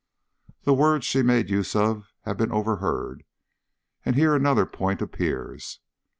The words she made use of have been overheard, and here another point appears.